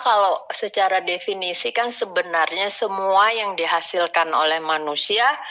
kalau secara definisi kan sebenarnya semua yang dihasilkan oleh manusia